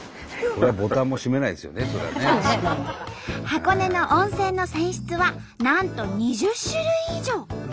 箱根の温泉の泉質はなんと２０種類以上。